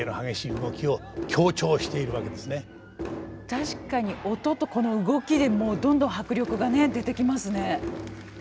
確かに音とこの動きでもうどんどん迫力がね出てきますね。